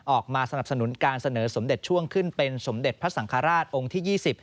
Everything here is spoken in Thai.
ออกมาสนับสนุนการเสนอสมเด็จช่วงขึ้นเป็นสมเด็จพระสังฆราชองค์ที่๒๐